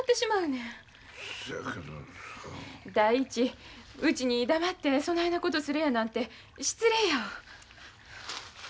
第一うちに黙ってそないなことするやなんて失礼やわ。